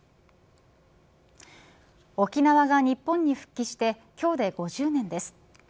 沖縄が日本に復帰して今日で５０年です。